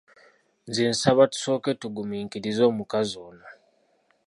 Nze nsaba tusooke tugumiikirize omukazi ono.